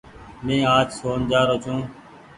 مينٚ آج شون جآ رو ڇو